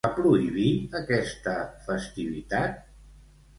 Es va prohibir aquesta festivitat?